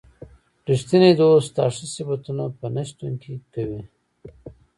ریښتینی دوست ستا ښه صفتونه په نه شتون کې کوي.